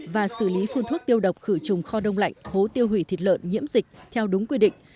và xử lý phun thuốc tiêu độc khử trùng kho đông lạnh hố tiêu hủy thịt lợn nhiễm dịch theo đúng quy định